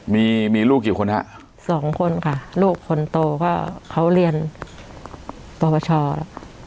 มีมีลูกกี่คนฮะสองคนค่ะลูกคนโตก็เขาเรียนปปชแล้ว